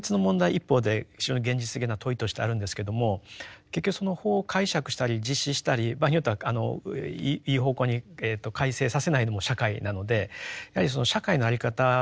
一方で非常に現実的な問いとしてあるんですけども結局その法を解釈したり実施したり場合によってはいい方向に改正させないのも社会なのでやはりその社会の在り方もですね